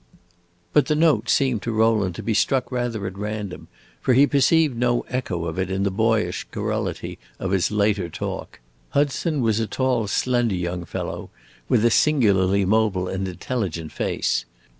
But the note seemed to Rowland to be struck rather at random, for he perceived no echo of it in the boyish garrulity of his later talk. Hudson was a tall, slender young fellow, with a singularly mobile and intelligent face.